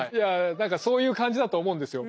何かそういう感じだと思うんですよ。